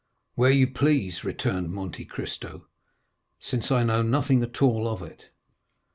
"Where you please," returned Monte Cristo, "since I know nothing at all of it."